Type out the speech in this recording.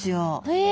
へえ！